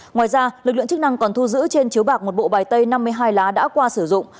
ngoài ra lực lượng chức năng còn thu giữ trên chiếu bạc một bộ bài tay năm mươi hai lá đã qua sử dụng